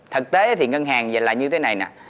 thực tế thì ngân hàng là như thế này